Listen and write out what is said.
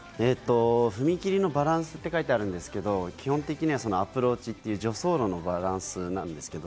踏み切りのバランスって書いてあるんですけど、基本的にアプローチという助走路のバランスなんです。